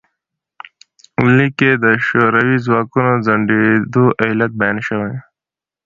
لیک کې د شوروي ځواکونو د ځنډیدو علت بیان شوی.